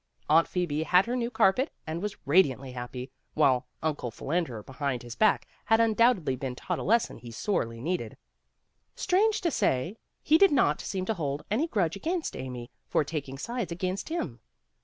Aunt Phoebe had her new carpet, and was ra diantly happy, while Uncle Philander BehincT His Back had undoubtedly been taught a lesson he sorely needed. Strange to say, he did not seem to hold any grudge against Amy for tak ing sides against him.